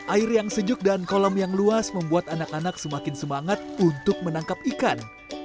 air yang sejuk dan kolam yang luas membuat anak anak semakin semangat untuk menangkap ikan